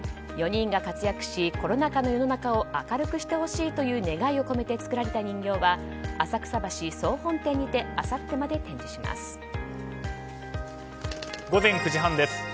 ４人が活躍しコロナ禍の世の中を明るくしてほしいという願いを込めて作られた人形は浅草橋総本店にてあさってまで展示します。